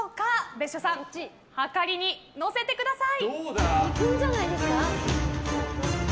別所さん、量りに乗せてください。